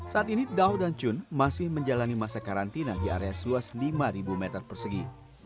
saat ini dao dan chun masih menjalani masa karantina di area seluas lima meter persegi